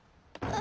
あ。